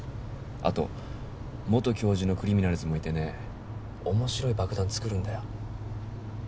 あと元教授のクリミナルズもいてね面白い爆弾作るんだよ